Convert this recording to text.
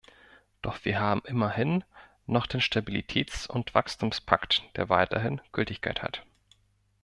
Doch wir haben immerhin noch den Stabilitätsund Wachstumspakt, der weiterhin Gültigkeit hat.